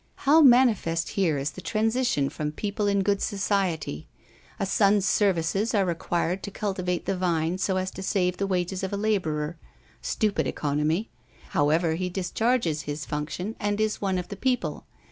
How manifest here is the transition from people in good society. A son's services are required to cultivate the vine so as to save the wages of a laborer, stupid economy, however, he discharges this function, and is one of the people.